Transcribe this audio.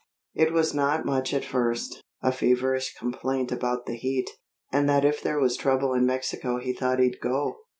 It was not much at first a feverish complaint about the heat, and that if there was trouble in Mexico he thought he'd go.